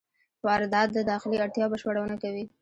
واردات د داخلي اړتیاوو بشپړونه کوي.